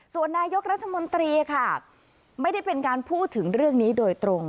ส่วนนายกรัฐมนตรีค่ะไม่ได้เป็นการพูดถึงเรื่องนี้โดยตรง